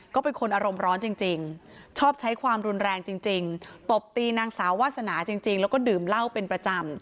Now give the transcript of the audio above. ก็เป็นคนอารมณ์ร้อนจริงชอบใช้ความรุนแรงจริงตบตีนางสาววาสนาจริงแล้วก็ดื่มเหล้าเป็นประจำ